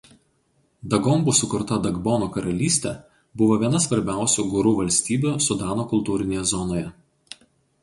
Dagombų sukurta Dagbono karalystė buvo viena svarbiausių gurų valstybių Sudano kultūrinėje zonoje.